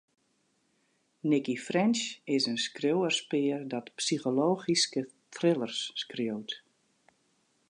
Nicci French is in skriuwerspear dat psychologyske thrillers skriuwt.